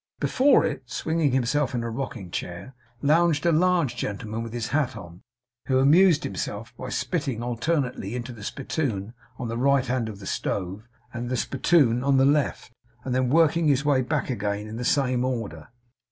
Before it, swinging himself in a rocking chair, lounged a large gentleman with his hat on, who amused himself by spitting alternately into the spittoon on the right hand of the stove, and the spittoon on the left, and then working his way back again in the same order.